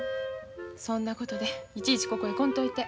そんなことでいちいちここへ来んといて。